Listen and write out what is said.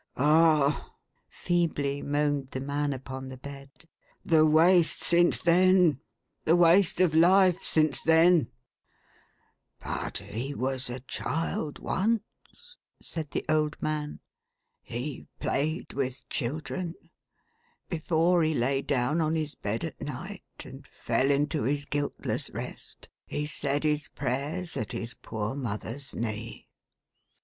"Ah!" feebly moaned the man upon the bed. "The waste since then, the waste of life since then !" "But he was a child once," said the old man. " II. played with children. Before he lav down on his bed at night, and fell into his guiltless rest, he said his prayers at his poor mother's knee.